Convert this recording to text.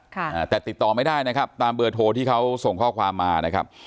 อ่าแต่ติดต่อไม่ได้นะครับตามเบอร์โทรที่เขาส่งข้อความมานะครับ